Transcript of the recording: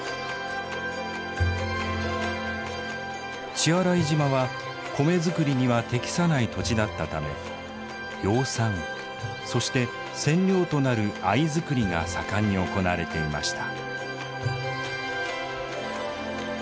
血洗島は米作りには適さない土地だったため養蚕そして染料となる藍作りが盛んに行われていました。